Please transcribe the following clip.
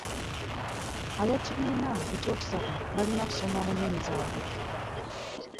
Ab'ekibiina ekyokusatu balina kusoma mu nnimi zaabwe.